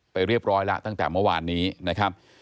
ไปเรียบร้อยแล้วตั้งแต่เมื่อวานนี้นะครับ